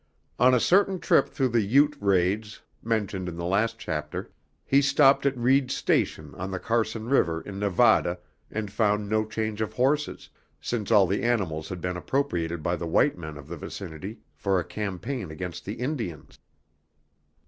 On a certain trip during the Ute raids mentioned in the last chapter, he stopped at Reed's Station on the Carson River in Nevada, and found no change of horses, since all the animals had been appropriated by the white men of the vicinity for a campaign against the Indians.